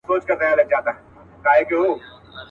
خو لا نن هم دی رواج د اوسنیو.